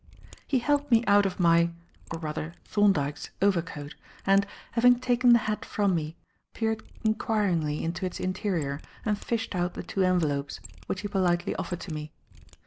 He helped me out of my or rather Thorndyke's overcoat, and; having taken the hat from me, peered inquiringly into its interior and fished out the two envelopes, which he politely offered to me.